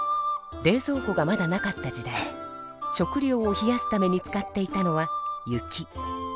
冷ぞう庫がまだなかった時代食料を冷やすために使っていたのは雪。